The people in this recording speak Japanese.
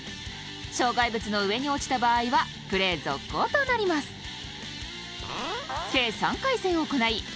障害物の上に落ちた場合はプレー続行となりますえ！